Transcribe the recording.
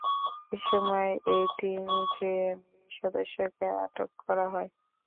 এ সময় এই তিন জেএমবি সদস্যকে আটক করা হয়।